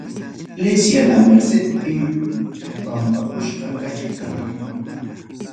Iglesia La Mercedpim pampakusqa kachkan.